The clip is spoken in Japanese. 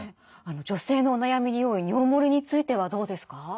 女性のお悩みに多い尿もれについてはどうですか？